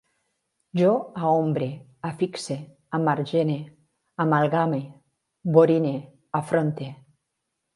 Jo aombre, afixe, amargene, amalgame, borine, afronte